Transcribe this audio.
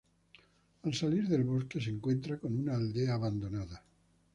Al salir del bosque, se encuentra con una aldea abandonada.